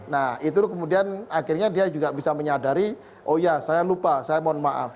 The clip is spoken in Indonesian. nah itu kemudian akhirnya dia juga bisa menyadari oh ya saya lupa saya mohon maaf